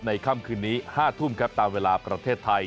ค่ำคืนนี้๕ทุ่มครับตามเวลาประเทศไทย